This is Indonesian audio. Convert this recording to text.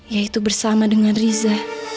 yaitu bersama dengan riza